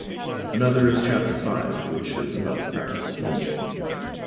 Another is chapter five, which is about the practice of lynching.